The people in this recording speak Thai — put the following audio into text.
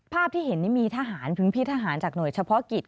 ภาพที่เห็นนี่มีทหารพื้นที่ทหารจากหน่วยเฉพาะกิจ